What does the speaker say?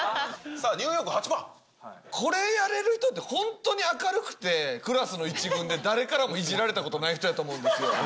ニューヨーク、これやれる人って、本当に明るくて、クラスの１軍で、誰からもいじられたことない人だと思うんですよ。